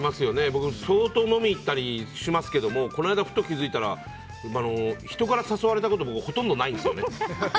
僕、相当飲みに行ったりしますけどこの間、ふと気づいたら人から誘われたことほとんどないんですよね。